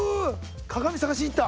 鏡探しに行った！